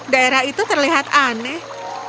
daerah itu terlihat aneh